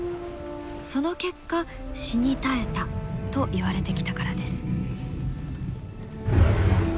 その結果死に絶えたといわれてきたからです。